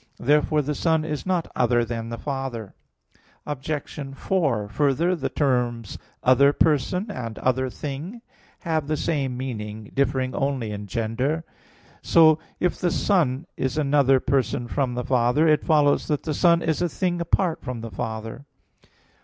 Therefore the Son is not other than the Father. Obj. 4: Further, the terms "other person" and "other thing" [alius et aliud] have the same meaning, differing only in gender. So if the Son is another person from the Father, it follows that the Son is a thing apart from the Father.